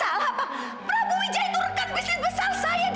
prabu wijaya itu rekan bisnis besar saya